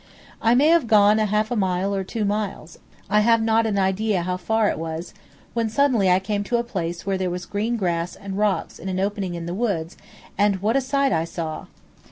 I may have gone a half a mile or two miles I have not an idea how far it was when suddenly I came to a place where there was green grass and rocks in an opening in the woods, and what a sight I saw!